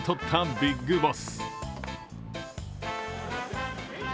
ビッグボス